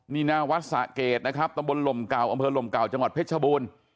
นี่หน้าวัดสะเกดนะครับตำบลลมเก่าอำเภอลมเก่าจังหวัดเพชรชบูรณ์